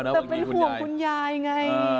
แต่เป็นห่วงคุณยายไง